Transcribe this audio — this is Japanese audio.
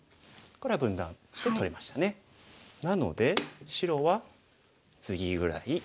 なので白はツギぐらい。